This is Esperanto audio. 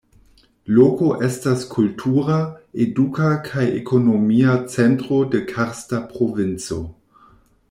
Loko estas kultura, eduka kaj ekonomia centro de Karsta provinco.